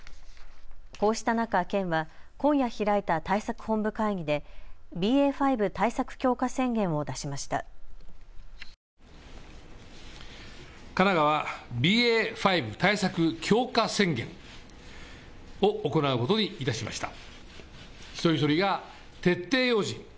こうした中、県は今夜開いた対策本部会議でＢＡ．５対策強化宣言を出しました。